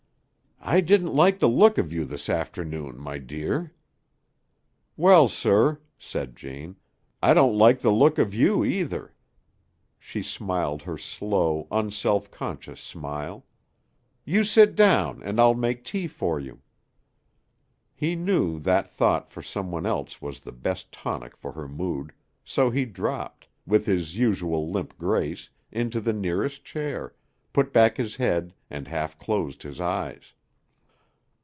"I didn't like the look of you this afternoon, my dear." "Well, sir," said Jane, "I don't like the look of you either." She smiled her slow, unself conscious smile. "You sit down and I'll make tea for you." He knew that thought for some one else was the best tonic for her mood, so he dropped, with his usual limp grace, into the nearest chair, put back his head and half closed his eyes.